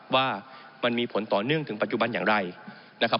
ว่ามันมีผลต่อเนื่องถึงปัจจุบันอย่างไรนะครับ